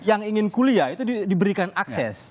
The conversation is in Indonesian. yang ingin kuliah itu diberikan akses